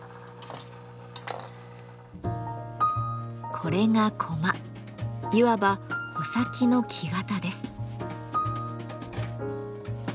これがいわば穂先の木型です。